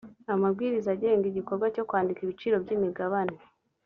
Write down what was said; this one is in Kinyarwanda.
amabwiriza agenga igikorwa cyo kwandika ibiciro by imigabane